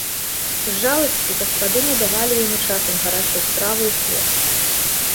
З жаласці гаспадыні давалі яму часам гарачую страву і хлеб.